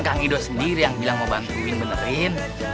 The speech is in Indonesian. kan kang idoy sendiri yang bilang mau bantuin benerin